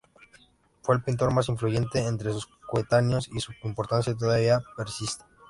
Fue el pintor más influyente entre sus coetáneos, y su importancia todavía persiste.